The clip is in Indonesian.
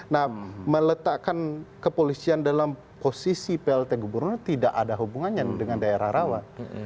nah meletakkan kepolisian dalam posisi plt gubernur tidak ada hubungannya dengan daerah rawan